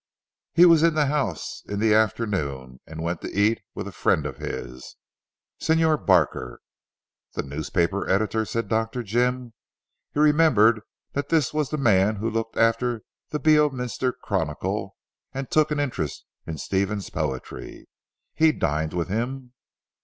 "He was in the house in the afternoon, and went to eat with a friend of his, Signor Barker " "The newspaper editor," said Dr. Jim. He remembered that this was the man who looked after the Beorminster Chronicle and took an interest in Stephen's poetry, "he dined with him?"